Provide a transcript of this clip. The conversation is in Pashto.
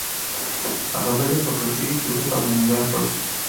هغه بل یې په پټیو کې ورک او له نظره پټ شو.